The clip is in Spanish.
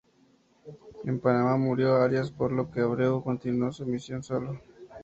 En Panamá murió Arias, por lo que Abreu continuó su misión solo.